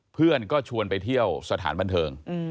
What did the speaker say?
เพื่อนก็ชวนไปเที่ยวสถานบันเทิง